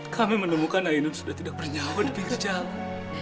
kami menemukan ainul sudah tidak bernyawa di piring jalan